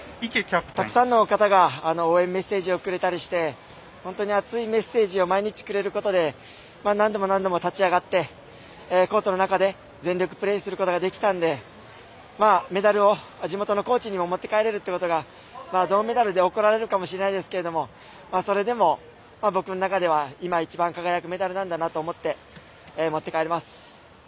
たくさんの方が応援メッセージをくれたりして本当に熱いメッセージを毎日くれることで何度も何度も立ち上がってコートの中で全力プレーすることができたんでメダルを地元の高知にも持って帰れるということが銅メダルで怒られるかもしれないですけどもそれでも僕の中では今いちばん輝くメダルなんだと思って持って帰ります。